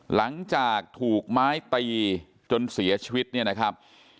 หลังจากถูกไม้ตีจนเสียชีวิตเนี่ยนะครับ